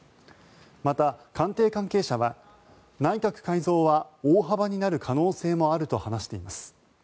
また、官邸関係者は内閣改造は大幅になる可能性もあると話しています。